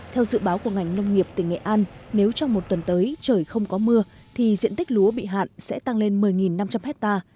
theo dự báo của ngành nông nghiệp tỉnh nghệ an nếu trong một tuần tới trời không có mưa thì diện tích lúa bị hạn sẽ tăng lên một mươi năm trăm linh hectare